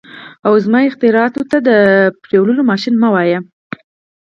او زما اختراعاتو ته مینځلو ماشینونه مه وایه